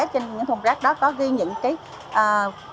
trên những thùng rác đó có ghi những cái